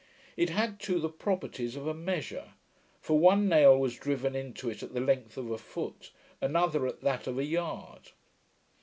It had too the properties of a measure; for one nail was driven into it at the length of a foot; another at that of a yard.